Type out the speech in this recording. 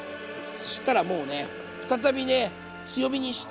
そしたらもうね再びね強火にして。